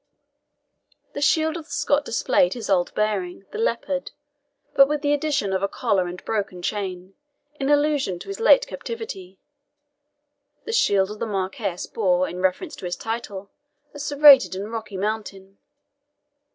The shield of the Scot displayed his old bearing, the leopard, but with the addition of a collar and broken chain, in allusion to his late captivity. The shield of the Marquis bore, in reference to his title, a serrated and rocky mountain.